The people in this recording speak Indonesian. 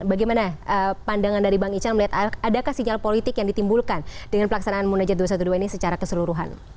bagaimana pandangan dari bang ican melihat adakah sinyal politik yang ditimbulkan dengan pelaksanaan munajat dua ratus dua belas ini secara keseluruhan